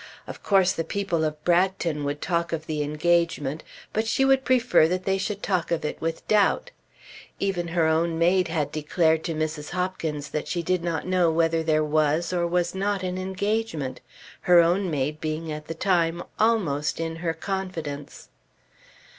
Of course the people of Bragton would talk of the engagement, but she would prefer that they should talk of it with doubt. Even her own maid had declared to Mrs. Hopkins that she did not know whether there was or was not an engagement, her own maid being at the time almost in her confidence.